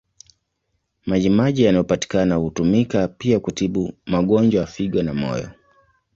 Maji maji yanayopatikana hutumika pia kutibu magonjwa ya figo na moyo.